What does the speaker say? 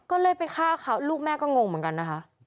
ก็เลยไปฆ่าเขาลูกแม่ก็งงเหมือนกันนะคะ